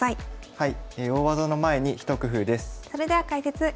はい。